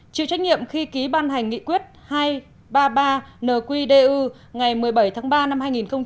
chịu trách nhiệm khi ký ban hành nghị quyết hai trăm ba mươi ba nqjkvn ngày một mươi bảy tháng ba năm hai nghìn chín